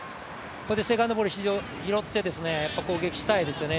ここでセカンドボール拾って、攻撃したいですよね。